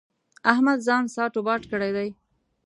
احمد ځان ساټ و باټ کړی دی.